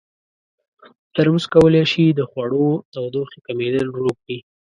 ترموز کولی شي د خوړو تودوخې کمېدل ورو کړي.